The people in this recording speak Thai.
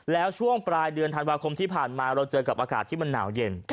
แล้วช่วงปลายเดือนธันวาคมที่ผ่านมาเราเจอกับอากาศที่มันหนาวเย็น